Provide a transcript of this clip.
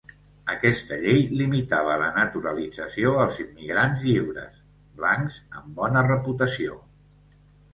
Aquesta llei limitava la naturalització als immigrants lliures, blancs amb bona reputació.